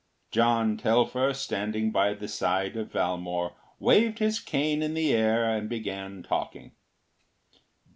John Telfer, standing by the side of Valmore, waved his cane in the air and began talking.